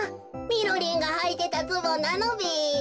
みろりんがはいてたズボンなのべ？